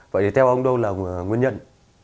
vậy thì theo ông đâu là nguyên nhân